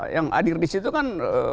yang hadir disitu kan